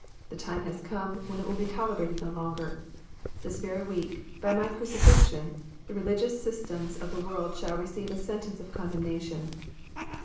The time has come when it will be tolerated no longer. This very week, by my crucifixion, the religious systems of the world shall receive a sentence of condemnation."